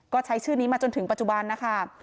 ก็ใช้ชื่อนี้มาจนถึงปัจจุบันนะคะ